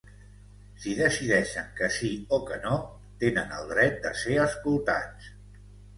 Si decideixen que sí o que no, tenen el dret de ser escoltats.